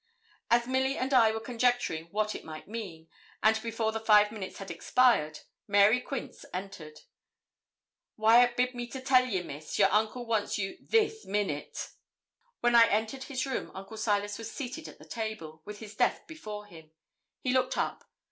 As Milly and I were conjecturing what it might mean, and before the five minutes had expired, Mary Quince entered. 'Wyat bid me tell you, Miss, your uncle wants you this minute.' When I entered his room, Uncle Silas was seated at the table, with his desk before him. He looked up.